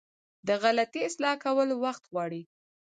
د غلطي اصلاح کول وخت غواړي.